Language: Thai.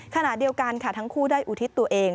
ขณะเดียวกันค่ะทั้งคู่ได้อุทิศตัวเอง